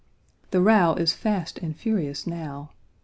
The row is fast and furious now.